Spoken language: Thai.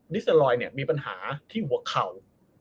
ิสเตอร์ลอยมีปัญหาที่หัวเข่า